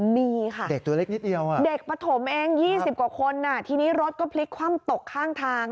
มีค่ะเด็กประถมเอง๒๐กว่าคนทีนี้รถก็พลิกคว่ำตกข้างทาง